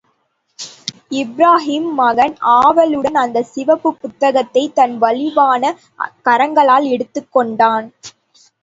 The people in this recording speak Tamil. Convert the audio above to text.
இப்ராஹீம் மகன் ஆவலுடன் அந்தச் சிவப்புப் புத்தகத்தைத் தன் வலிவான கரங்களால் எடுத்துக் கொண்டான்.